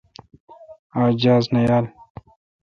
آج جاز نہ یال۔